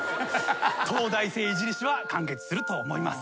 東大生イジり史は完結すると思います。